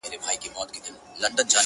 • خو وجدان يې ورسره دی تل..